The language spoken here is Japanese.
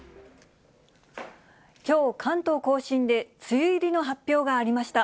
きょう、関東甲信で梅雨入りの発表がありました。